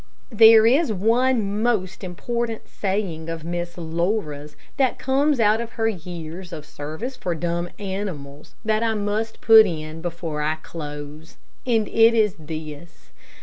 There is one most important saying of Miss Laura's that comes out of her years of service for dumb animals that I must put in before I close, and it is this.